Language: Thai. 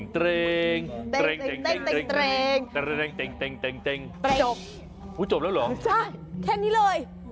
จบแล้วเหรอใช่แค่นี้เลย